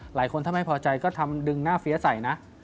หลายคนถ้าไม่พอใจก็ทำดึงหน้าเฟี้ยใส่นะ